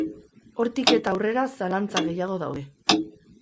Hortik eta aurrera zalantza gehiago daude.